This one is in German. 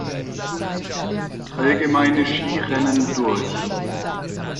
Allgemeine Skirennen durch.